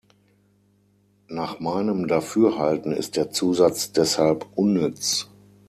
Nach meinem Dafürhalten ist der Zusatz deshalb unnütz.